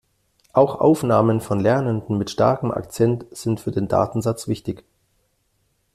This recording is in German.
Auch Aufnahmen von Lernenden mit starkem Akzent sind für den Datensatz wichtig.